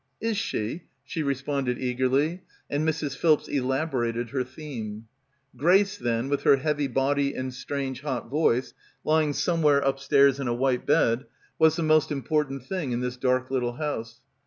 "Is she?" she responded eagerly and Mrs. Philps elaborated her theme. Grace, then, with her heavy body and strange hot — 192 — BACKWATER voice, lying somewhere upstairs in a white bed, was the most important thing in this dark little house.